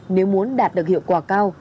nếu muốn đạt được hiệu quả cao